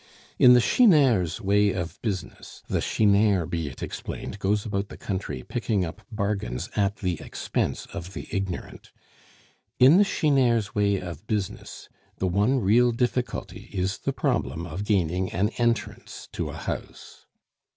In the chineur's way of business the chineur, be it explained, goes about the country picking up bargains at the expense of the ignorant in the chineur's way of business, the one real difficulty is the problem of gaining an entrance to a house.